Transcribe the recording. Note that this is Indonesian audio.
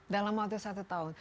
dalam waktu satu tahun